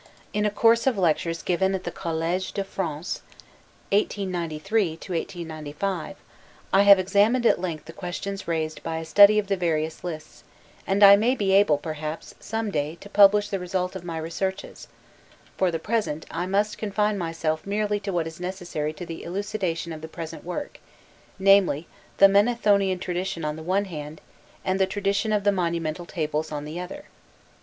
In a course of lectures given at the College de France (1893 95), I have examined at length the questions raised by a study of the various lists, and I may be able, perhaps, some day to publish the result of my researches: for the present I must confine myself merely to what is necessary to the elucidation of the present work, namely, the Manethonian tradition on the one hand, and the tradition of the monumental tables on the other.